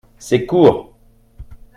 C’est court